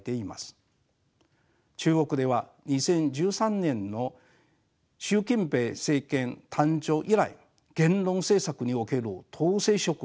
中国では２０１３年の習近平政権誕生以来言論政策における統制色が強まってきました。